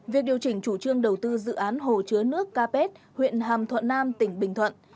việc điều chỉnh chủ trương đầu tư dự án hồ chứa nước capet huyện hàm thuận nam tỉnh bình thuận